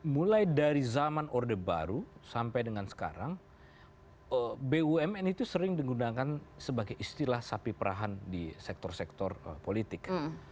mulai dari zaman orde baru sampai dengan sekarang bumn itu sering digunakan sebagai istilah sapi perahan di sektor sektor politik